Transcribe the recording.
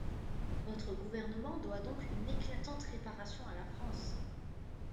Votre Gouvernement doit donc une éclatante réparation à la France.